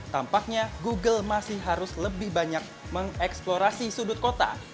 tampaknya google masih harus lebih banyak mengeksplorasi sudut kota